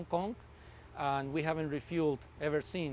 dan kami belum memperkuatnya sejak itu